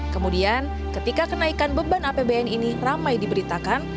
kemudian ketika kenaikan beban apbn ini ramai diberitakan